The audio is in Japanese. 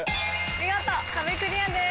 見事壁クリアです。